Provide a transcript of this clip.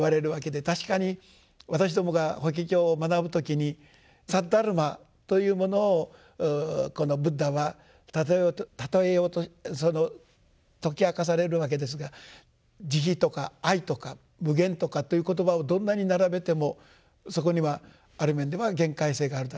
確かに私どもが「法華経」を学ぶ時に「サッダルマ」というものをブッダは譬えようとその説き明かされるわけですが「慈悲」とか「愛」とか「無限」とかという言葉をどんなに並べてもそこにはある面では限界性があるだろうと。